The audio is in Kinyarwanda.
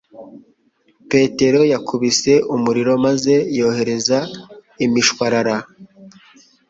Petero yakubise umuriro maze yohereza imishwarara